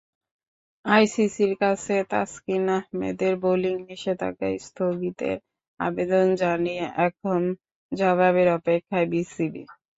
আইসিসির কাছে তাসকিন আহমেদের বোলিং নিষেধাজ্ঞা স্থগিতের আবেদন জানিয়ে এখন জবাবের অপেক্ষায় বিসিবি।